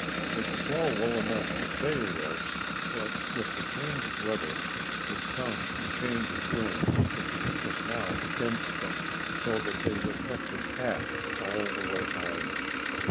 It was all well enough to say this, but with the change of weather had come a change of wind, which was now against them, so that they would have to tack all the way home.